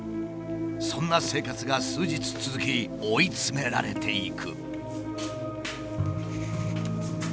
そんな生活が数日続き追い詰められていく。